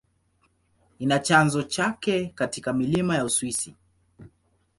Ina chanzo chake katika milima ya Uswisi.